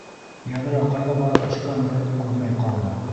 Йәҙрә ҡайҙа барып төшкәндер, күрмәй ҡалдыҡ.